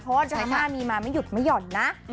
เพราะว่าดราม่ามีมาไม่หยุดไม่ห่อนนะ